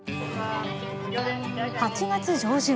８月上旬